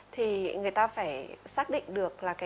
thì người ta phải xác định được